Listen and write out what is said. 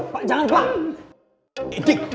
pak jangan pak